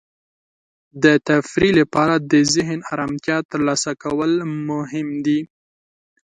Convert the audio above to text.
د تفریح له لارې د ذهن ارامتیا ترلاسه کول مهم دی.